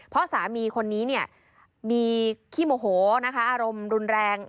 เพราะสามีคนนี้เนี่ยมีขี้โมโหนะคะอารมณ์รุนแรง